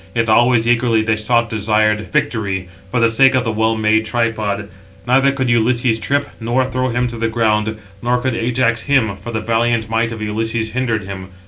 Yet always eagerly they sought desired victory, for the sake of the well made tripod. Neither could Ulysses trip, nor throw him to the ground, nor could Ajax him, for the valiant might of Ulysses hindered him.